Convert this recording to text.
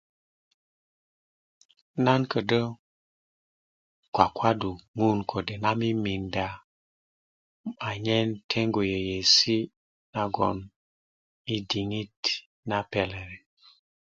Nan ködö kwakwaddu ŋun kode' nan miminda anyen teɲgu yeueesi' managoŋ yi perok liŋ